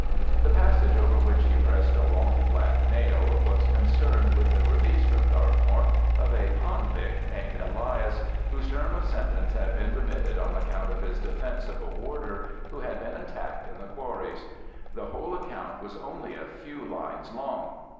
The passage over which he pressed a long, black nail was concerned with the release from Dartmoor of a convict named Elias, whose term of sentence had been remitted on account of his defence of a warder who had been attacked in the quarries. The whole account was only a few lines long.